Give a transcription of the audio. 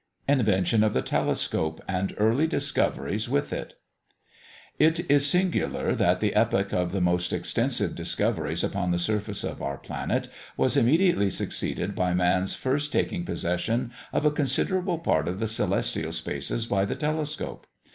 INVENTION OF THE TELESCOPE, AND EARLY DISCOVERIES WITH IT. It is singular that the epoch of the most extensive discoveries upon the surface of our planet was immediately succeeded by man's first taking possession of a considerable part of the celestial spaces by the telescope.